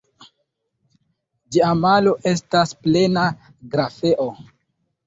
Ĝia malo estas plena grafeo.